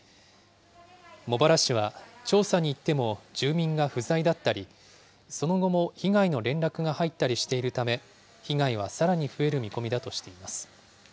茂原市は調査に行っても住民が不在だったり、その後も被害の連絡が入ったりしているため、被害はさらに増える見込みだとしています。